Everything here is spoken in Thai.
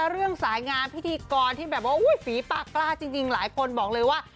เรื่องสายงานพิธีกรที่แบบว่าฝีปากกล้าจริงหลายคนบอกเลยว่า